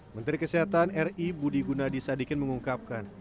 menteri kesehatan ri budi gunadisadikin mengungkapkan